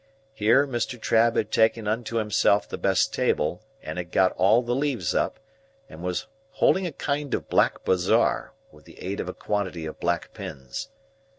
Here, Mr. Trabb had taken unto himself the best table, and had got all the leaves up, and was holding a kind of black Bazaar, with the aid of a quantity of black pins.